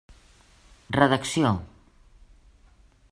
Redacció.